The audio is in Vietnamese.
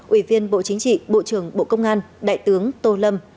ủy viên bộ chính trị bộ trưởng bộ công an đại tướng tô lâm